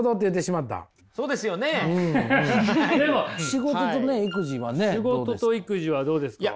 仕事とね育児はねどうですか？